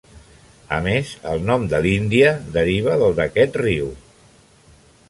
A més, el nom de l'Índia deriva del d'aquest riu.